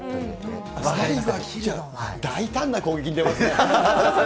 最後は切ると、大胆な攻撃に出ますね。